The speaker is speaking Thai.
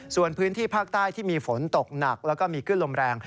ส่วนพื้นที่ภาคใต้ที่มีฝนตกหนักแล้วก็มีขึ้นลมแรง